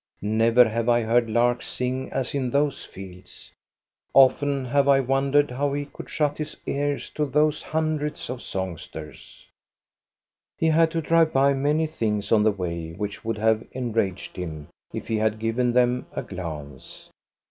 Never have I heard larks sing as in those fields. Often have I wondered how he could shut his ears to those hundreds of songsters. He had to drive by many things on the way which would have enraged him if he had given them a glance.